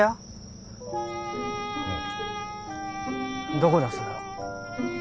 どこだそれは。